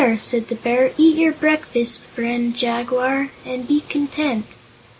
said the Bear; "eat your breakfast, friend Jaguar, and be content."